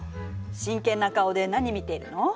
真剣な顔で何見ているの？